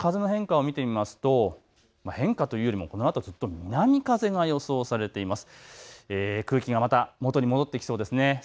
東京都心の今後の風の変化見てみますと変化というよりもこのあとずっと南風が予想されています。